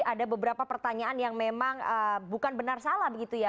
ada beberapa pertanyaan yang memang bukan benar salah begitu ya